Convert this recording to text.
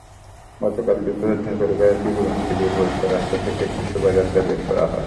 গতকাল দুপুরে ঠাকুরগাঁওয়ের পীরগঞ্জে পূর্ব চৌরাস্তা থেকে একটি শোভাযাত্রা বের করা হয়।